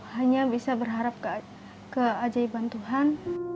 hanya bisa berharap keajaiban tuhan